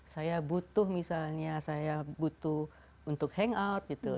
saya butuh misalnya saya butuh untuk hangout gitu